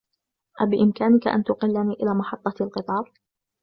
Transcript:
أبإمكانك أن تقلني إلى محطة القطار ؟